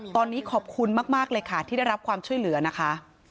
ตอนนี้ขอบคุณมากเลยค่ะที่ได้รับความช่วยเหลือนะคะ